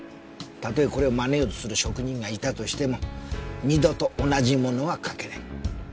たとえこれをまねようとする職人がいたとしても二度と同じものは描けない。